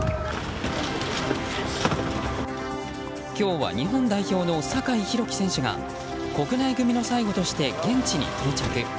今日は日本代表の酒井宏樹選手が国内組の最後として現地に到着。